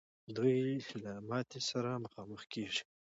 دوی له ماتي سره مخامخ کېږي.